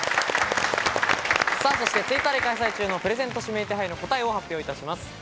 そしてＴｗｉｔｔｅｒで開催中のプレゼント指名手配の答えを発表いたします。